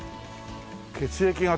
「血液型」